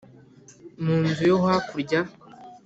mu nzu yo hakurya.